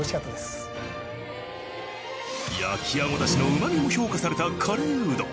焼あごだしのうまみを評価されたカレーうどん。